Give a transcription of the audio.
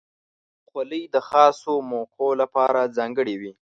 خولۍ د خاصو موقعو لپاره ځانګړې وي.